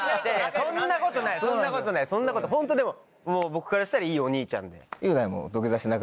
そんなことないホントでも僕からしたらいいお兄ちゃんで。